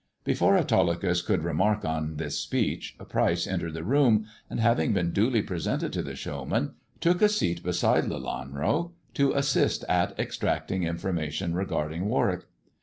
Before Autolycus could remark on this speech, Pryce entered the room, and having been duly presented to the showman, took a seat beside Lelanro to assist at extracting information regarding Warwick.